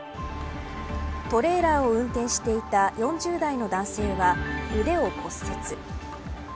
トレーラーを運転していた４０代の男性は腕を骨折。